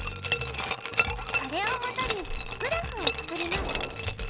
これをもとにグラフを作ります。